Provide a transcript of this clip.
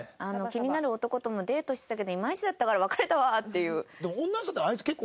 気になる男ともデートしてたけどいまいちだったから別れたわっていう。